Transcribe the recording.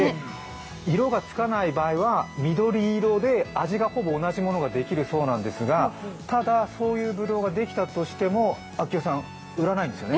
色がつかない場合は緑色で味がほぼ同じものができるそうなんですがただそういうぶどうができたとしても、晃生さん売らないんですよね？